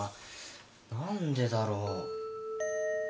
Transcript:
何でだろう。